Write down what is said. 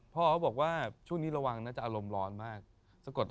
พ่อเขาบอกว่าช่วงนี้ระวังน่าจะอารมณ์ร้อนมาก